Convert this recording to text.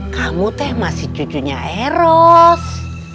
kamu teh masih cucunya eros